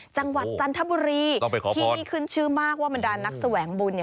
จังหวัดจันทบุรีที่นี่ขึ้นชื่อมากว่าบรรดานนักแสวงบุญ